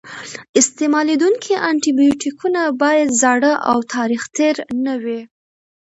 استعمالیدونکي انټي بیوټیکونه باید زاړه او تاریخ تېر نه وي.